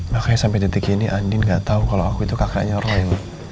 makanya sampai detik ini andin gak tahu kalau aku itu kakaknya roy